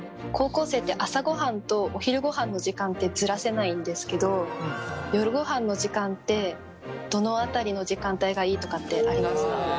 高校生って朝御飯とお昼御飯の時間ってずらせないんですけど夜御飯の時間ってどの辺りの時間帯がいいとかってありますか？